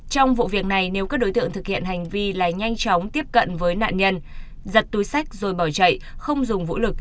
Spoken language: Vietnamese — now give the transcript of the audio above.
trong vụ việc này nếu các đối tượng thực hiện hành vi là nhanh chóng tiếp cận với nạn nhân giật túi sách rồi bỏ chạy không dùng vũ lực